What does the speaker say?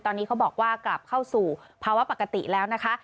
ตอนนี้เขาบอกว่ากลับเข้าสู่ภาวะปกติแล้วนะคะ